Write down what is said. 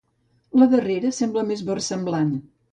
La darrera sembla més versemblant.